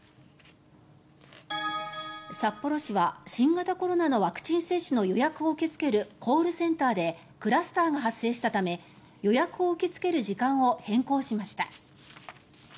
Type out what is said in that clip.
札幌市は新型コロナのワクチン接種の予約を受け付けるコールセンターでクラスターが発生したため予約を受け付ける時間を変更しました。